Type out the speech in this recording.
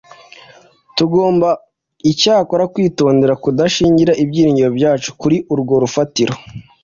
Tugomba icyakora kwitondera kudashingira ibyiringiro byacu kuri urwo rufatiro,